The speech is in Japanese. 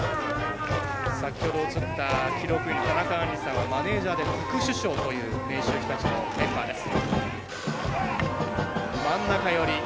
先ほど映った記録員田中杏璃さんはマネージャーで副主将という明秀日立のメンバーです。